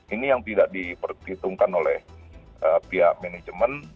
ini yang tidak diperhitungkan oleh pihak manajemen